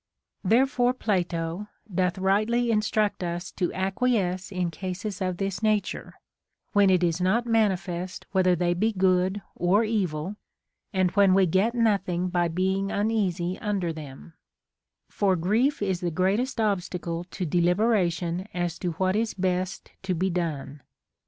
22. Therefore Platof doth rightly instruct us to acqui esce in cases of this nature, Λvhen it is not manifest whether they be good or evil, and when we get nothing by being uneasy under them ; for grief is the greatest obstacle to deliberation as to what is best to be done.